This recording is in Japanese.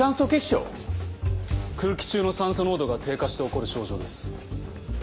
空気中の酸素濃度が低下して起こる症状です。